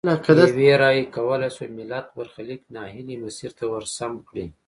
یوې رایې کولای شول ملت برخلیک نا هیلي مسیر ته ورسم کړي.